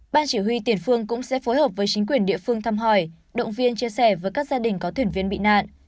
ban chỉ huy tiền phương cũng sẽ phối hợp với chính quyền địa phương thăm hỏi động viên chia sẻ với các gia đình có thuyền viên bị nạn